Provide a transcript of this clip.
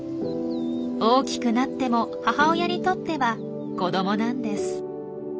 大きくなっても母親にとっては子どもなんです。